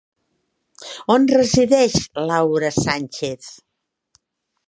On resideix Laura Sánchez?